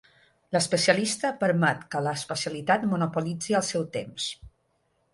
L'especialista permet que l'especialitat monopolitzi el seu temps.